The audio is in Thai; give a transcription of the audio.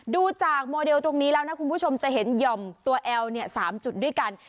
ดูจากโมเดลตรงนี้แล้วนะคุณผู้ชมจะเห็นหย่อมตัวแอล๓จุดด้วยกัน